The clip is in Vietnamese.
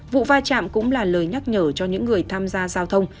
vụ va chạm cũng là lời nhắc nhở cho những người tham gia giao thông